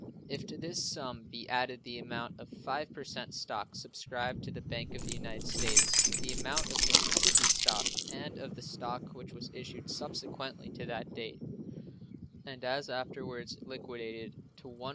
If to this sum be added the amount of 5% stock subscribed to the Bank of the United States, the amount of Mississippi stock and of the stock which was issued subsequently to that date, and as afterwards liquidated, to $158,713,049.